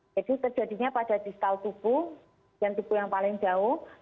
jadi terjadinya pada distal tubuh yang tubuh yang paling jauh